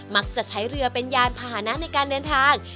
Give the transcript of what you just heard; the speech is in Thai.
มักจะใช้เรือเป็นยานพาหนะในการเดินทาง